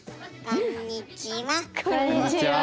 こんにちは。